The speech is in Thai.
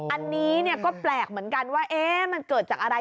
อันนี้ก็แปลกเหมือนกันว่ามันเกิดจากอะไร